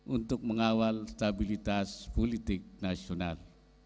untuk mengawal stabilitas politik nasional